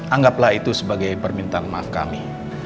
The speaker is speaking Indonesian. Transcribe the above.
anggaplah itu sebagai permintaan maaf kami